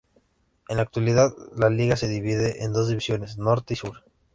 En la actualidad la liga se divide en dos divisiones, Norte y Sur.